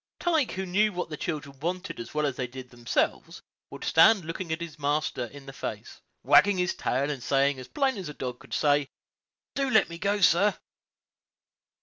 Tige, who knew what the children wanted as well as they did themselves, would stand looking his master in the face, wagging his tail, and saying, as plain as a dog could say, "Do let me go, sir."